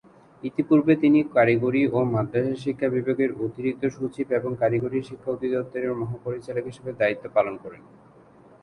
ইতিপূর্বে তিনি কারিগরি ও মাদ্রাসা শিক্ষা বিভাগের অতিরিক্ত সচিব এবং কারিগরী শিক্ষা অধিদপ্তরের মহাপরিচালক হিসেবে দায়িত্ব পালন করেন।